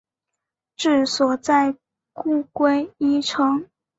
治所在故归依城。